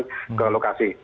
kemudian ke lokasi